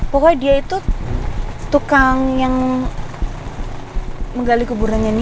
pokoknya dia itu tukang yang menggali keburan yang ini